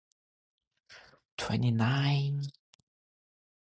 Riklis infused capital to build up the station, but it remained unprofitable.